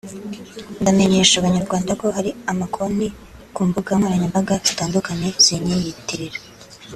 "Ndamenyesha Abanyarwanda ko hari ama konti ku mbuga nkoranyambaga zitandukanye zinyiyitirira